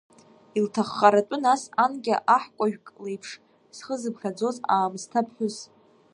Илҭаххаратәы, нас, анкьа аҳкәажәк леиԥш зхы зыԥхьаӡоз аамысҭа ԥҳәыс!